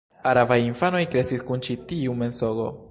Arabaj infanoj kreskis kun ĉi tiu mensogo.